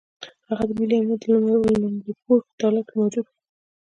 هغه د ملي امنیت د لومړي پوړ په تالار کې موجود وو.